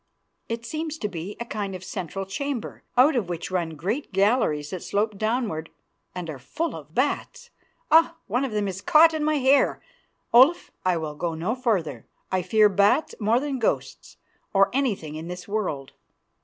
It seems to be a kind of central chamber, out of which run great galleries that slope downwards and are full of bats. Ah! one of them is caught in my hair. Olaf, I will go no farther. I fear bats more than ghosts, or anything in the world."